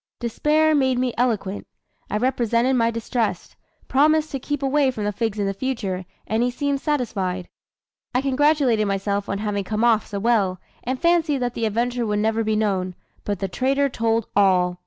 Despair made me eloquent; I represented my distress, promised to keep away from the figs in future, and he seemed satisfied. I congratulated myself on having come off so well, and fancied that the adventure would never be known; but the traitor told all.